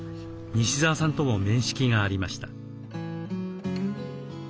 西澤さんとも面識がありました。